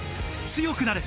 強くなれ。